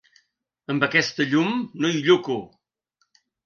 Amb aquesta llum no hi lluco.